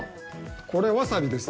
これわさびですね。